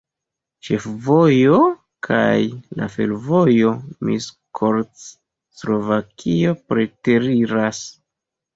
Ĉefvojo kaj la fervojo Miskolc-Slovakio preteriras.